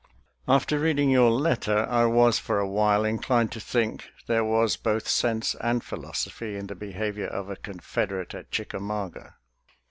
After reading your letter I was for a while in clined to think there was both sense and phi losophy in the behavior of a Confederate at Chickamauga.